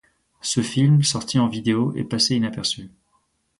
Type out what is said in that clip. Ce film, sorti en vidéo, est passé inaperçu.